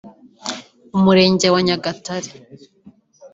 umurenge wa Nyagatare